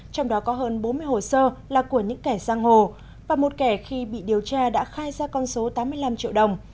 trong đó có hơn bốn mươi hồ sơ là của những kẻ giang hồ và một kẻ khi bị điều tra đã khai ra con số tám mươi năm triệu đồng